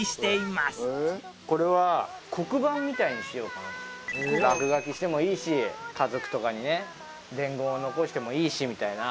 これは落書きしてもいいし家族とかにね伝言を残してもいいしみたいな。